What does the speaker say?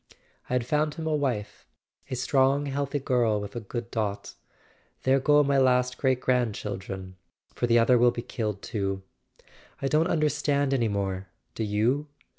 " I had found him a wife—a strong healthy girl with a good dot. There go my last great grandchildren! For the other will be killed too. I don't understand any more, do you?"